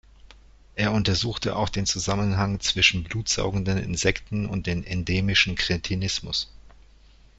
Er untersuchte auch den Zusammenhang zwischen blutsaugenden Insekten und dem endemischen Kretinismus.